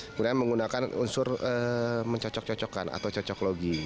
kemudian menggunakan unsur mencocok cocokkan atau cocoklogi